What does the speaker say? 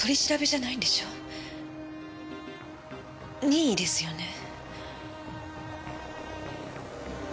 任意ですよね？